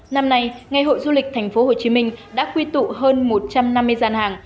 năm nay ngày hội du lịch tp hcm đã quy tụ hơn một trăm năm mươi gian hàng